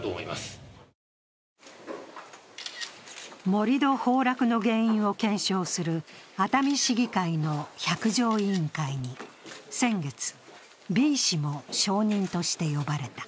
盛り土崩落の原因を検証する熱海市議会の百条委員会に先月、Ｂ氏も証人として呼ばれた。